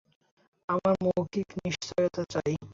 আমার মৌখিক নিশ্চয়তা চাই।